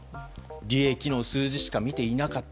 利益の数字しか見ていなかった。